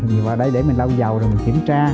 mình vào đây để mình lau dầu rồi mình kiểm tra